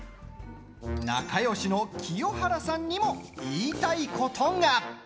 仲よしの清原さんにも言いたいことが。